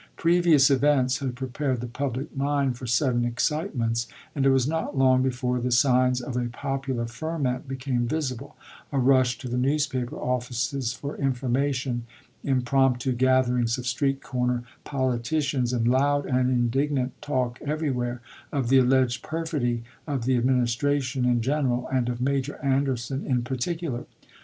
Previous events had prepared the public mind for sudden excitements, and it was not long before the signs of a popular ferment became visible — a rush to the newspaper offices for information, impromptu gatherings of street corner politicians, and loud and indignant talk everywhere of the alleged perfidy of the Admin istration in general and of Major Anderson in par ticular.